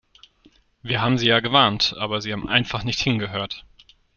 Wir haben Sie ja gewarnt, aber Sie haben einfach nicht hingehört.